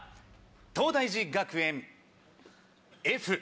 東大寺学園「Ｆ」。